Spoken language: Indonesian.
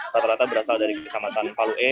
seterata berasal dari kisah matan palu e